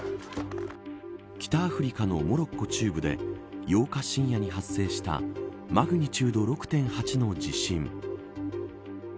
北アフリカのモロッコ中部で８日、深夜に発生したマグニチュード６．８の地震。